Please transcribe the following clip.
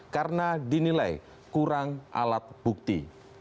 karena dinilai kurang alat bukti